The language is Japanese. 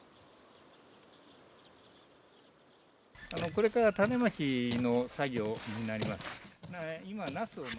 これから種まきの作業になります。